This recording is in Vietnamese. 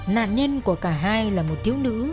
nạn nhân của cả hai là một thiếu nữ